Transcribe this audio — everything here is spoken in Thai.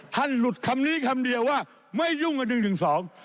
ท่านหลุดคำนี้คำเดียวว่าไม่ยุ่งกับ๑๑๒